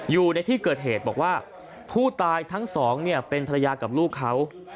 อยู่ในที่เกิดเหตุบอกว่าผู้ตายทั้งสองเนี่ยเป็นภรรยากับลูกเขา